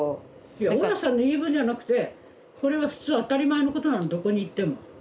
いや大家さんの言い分じゃなくてこれは普通当たり前のことなのどこに行っても。